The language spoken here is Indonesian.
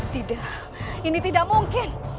tidak ini tidak mungkin